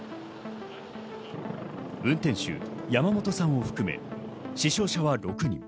運転手・山本さんを含め死傷者は６人。